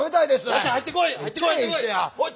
よし入ってこい！